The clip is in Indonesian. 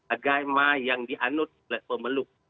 agama yang dianut oleh pemeluk